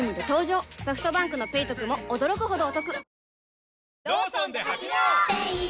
ソフトバンクの「ペイトク」も驚くほどおトク